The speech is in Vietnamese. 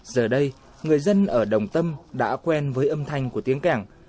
giờ đây người dân ở đồng tâm đã quen với âm thanh của tiếng kẻng